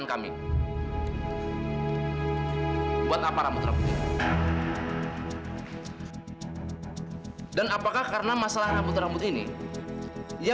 sampai jumpa di video selanjutnya